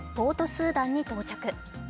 スーダンに到着。